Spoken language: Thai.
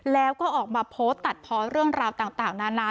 แล้วก็ออกมาโพสต์ตัดพอเรื่องราวต่างนานา